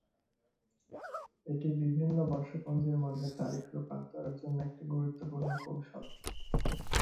এটি বিভিন্ন বর্ষপঞ্জীর মধ্যে তারিখ রূপান্তরের জন্য একটি গুরুত্বপূর্ণ কৌশল।